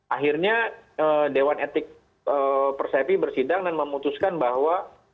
akhirnya dewan etik persepi bersidang dan memutuskan bahwa